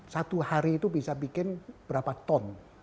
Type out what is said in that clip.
satu hari itu bisa bikin berapa ton